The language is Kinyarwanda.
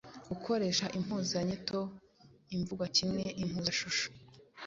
Gukoresha impuzanyito, imvugwakimwe, impuzashusho